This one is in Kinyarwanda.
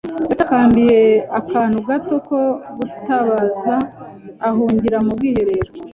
Yatakambiye akantu gato ko gutabaza ahungira mu bwiherero.